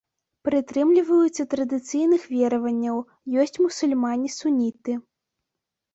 Прытрымліваюцца традыцыйных вераванняў, ёсць мусульмане-суніты.